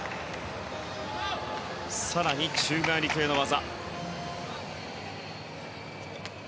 更に、宙返り系の技。